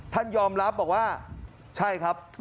ท่านยอมรับบอกว่าใช่ครับ